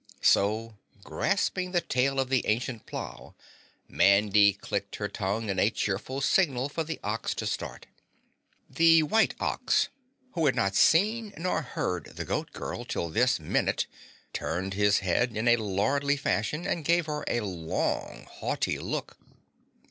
So, grasping the tail of the ancient plow, Mandy clicked her tongue in a cheerful signal for the ox to start. The white ox, who had not seen nor heard the Goat Girl till this minute turned his head in a lordly fashion and gave her a long haughty look.